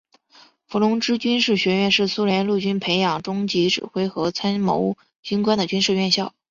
伏龙芝军事学院是苏联陆军培养中级指挥和参谋军官的军事院校。